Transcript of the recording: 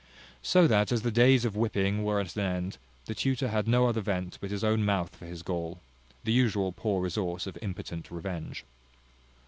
So that, as the days of whipping were at an end, the tutor had no other vent but his own mouth for his gall, the usual poor resource of impotent revenge.